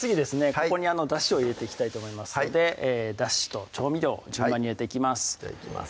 ここにだしを入れていきたいと思いますのでだしと調味料を順番に入れていきますじゃあいきます